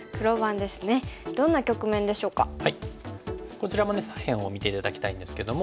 こちらもね左辺を見て頂きたいんですけども。